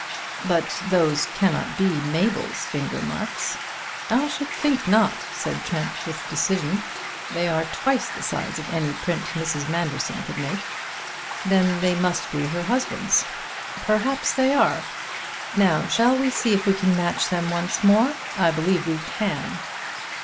"But those cannot be Mabel's finger marks." "I should think not!" said Trent with decision. "They are twice the size of any print Mrs. Manderson could make." "Then they must be her husband's." "Perhaps they are. Now shall we see if we can match them once more? I believe we can."